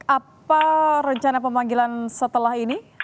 apa rencana pemanggilan setelah ini